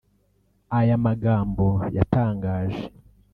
Aya magambo yatangaje